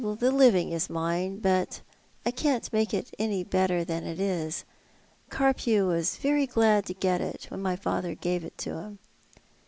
"Yes, the living is mine, but I can't make it any better than it is. Carpew was very glad to get it when my father gave it to him."